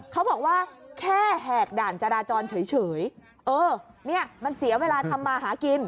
เขาบอกว่าแค่แหกด่านจราจรเฉยเออเนี่ยมันเสียเวลาทำมาหากิน